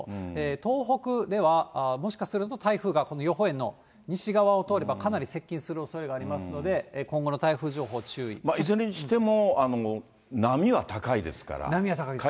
東北ではもしかすると、台風がこの予報円の西側を通ればかなり接近するおそれがありますいずれにしても、波は高いですね。